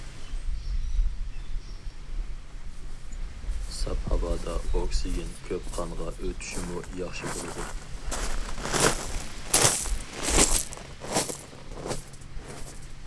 ساپ ھاۋادا ئوكسىگېن كۆپ قانغا ئۆتۈشىمۇ ياخشى بولىدۇ.